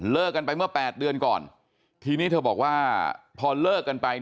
กันไปเมื่อ๘เดือนก่อนทีนี้เธอบอกว่าพอเลิกกันไป